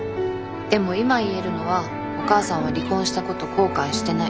でも今言えるのはお母さんは離婚したこと後悔してない。